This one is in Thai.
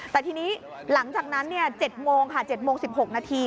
แต่ทีนี้หลังจากนั้น๗โมงค่ะ๗โมง๑๖นาที